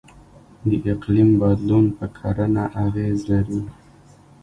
د اقلیم بدلون په کرنه اغیز لري.